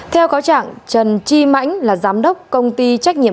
theo cáo trạng trần chi mãnh là giám đốc công ty trách nhiệm